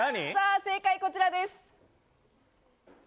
正解こちらです。